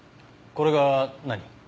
これが何？